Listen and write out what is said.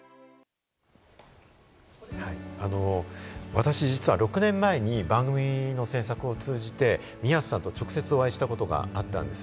私、実は６年前に番組の制作を通じて宮津さんと直接お会いしたことがあったんです。